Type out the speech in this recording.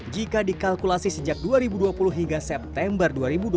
jika dikalkulasi sejak dua ribu dua puluh hingga september dua ribu dua puluh